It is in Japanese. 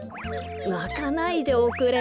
なかないでおくれ。